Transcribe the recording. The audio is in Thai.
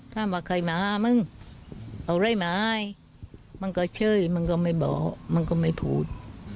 ท่ามว่าใครมามึงเอาเลยมาให้มันก็เชื่อมันก็ไม่บอกมันก็ไม่พูด